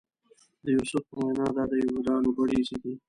د یوسف په وینا دا د یهودانو بړیڅي دي.